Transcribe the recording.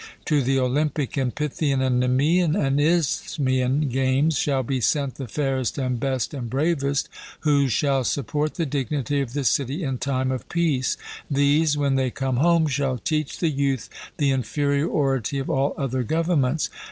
To the Olympic, and Pythian, and Nemean, and Isthmian games, shall be sent the fairest and best and bravest, who shall support the dignity of the city in time of peace. These, when they come home, shall teach the youth the inferiority of all other governments.